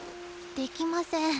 できません。